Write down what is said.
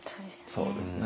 そうですね。